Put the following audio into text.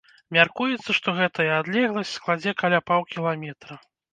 Мяркуецца, што гэтая адлегласць складзе каля паўкіламетра.